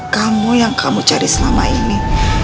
kamu yang kamu cari selama ini